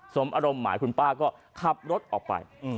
สมอารมณ์หมายคุณป้าก็ขับรถออกไป